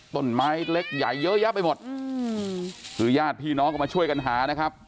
ต้นไม้เล็กใหญ่เยอะแยะไปหมดอืมคือญาติพี่น้องก็มาช่วยกันหานะครับ